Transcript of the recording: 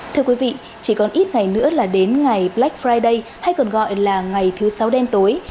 thưa quý vị chỉ còn ít ngày nữa là đến ngày black friday hay còn gọi là ngày thứ sáu đen tối